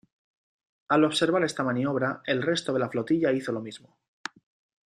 Al observar esta maniobra, el resto de la flotilla hizo lo mismo.